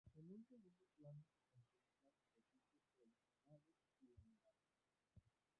En un segundo plano se contemplan oficios tradicionales y la naranja.